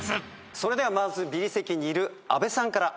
それではまずビリ席にいる阿部さんから。